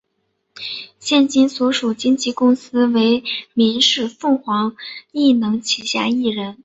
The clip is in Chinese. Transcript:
现今所属经纪公司为民视凤凰艺能旗下艺人。